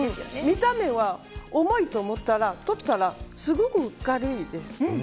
見た目は重いと思ったら取ったらすごく軽いです。